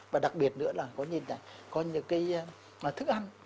và đặc biệt nữa là có những cái thức ăn